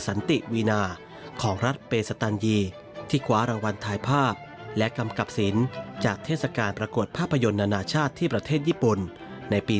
สันติวีนาของรัฐเปสตันยีที่คว้ารางวัลถ่ายภาพและกำกับสินจากเทศกาลประกวดภาพยนตร์นานาชาติที่ประเทศญี่ปุ่นในปี๒๕